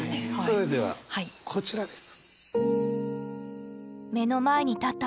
それではこちらです。